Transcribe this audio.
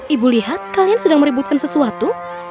ibu lihat kalian sedang meributkan sesuatu